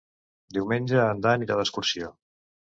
Diumenge en Dan irà d'excursió.